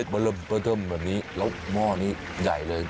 มาเริ่มเทิมแบบนี้แล้วหม้อนี้ใหญ่เลย